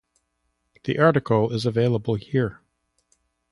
The article is available here.